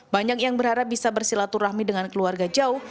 banyak yang berharap bisa bersilaturahmi dengan keluarga jauh